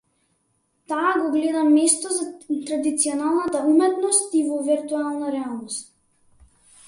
Таа го гледа место за традиционалната уметност и во виртуелната реалност.